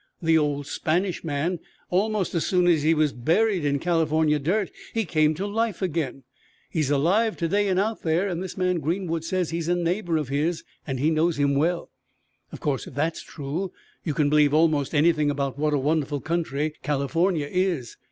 The old Spanish man, almost as soon as he was buried in California dirt, he came to life again! He's alive to day out there, and this man Greenwood says he's a neighbor of his and he knows him well! Of course, if that's true you can believe almost anything about what a wonderful country California is.